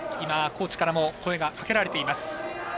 コーチからも声がかけられています。